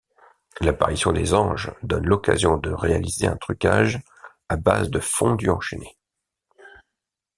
L’apparition des anges donne l’occasion de réaliser un trucage à base de fondu enchaîné.